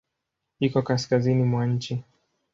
Iko kaskazini mwa nchi.